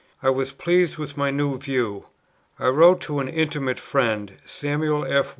I was pleased with my new view. I wrote to an intimate friend, Samuel F.